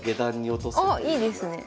おっいいですね。